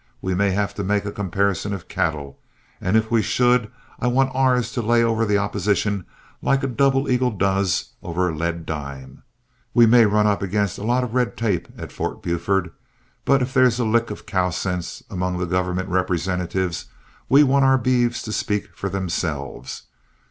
We may have to make a comparison of cattle, and if we should, I want ours to lay over the opposition like a double eagle does over a lead dime. We may run up against a lot of red tape at Fort Buford, but if there is a lick of cow sense among the government representatives, we want our beeves to speak for themselves.